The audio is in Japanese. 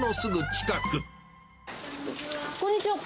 こんにちは。